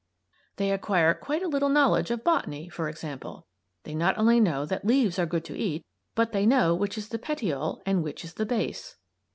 They acquire quite a little knowledge of Botany, for example. They not only know that leaves are good to eat, but they know which is the "petiole" and which is the "base."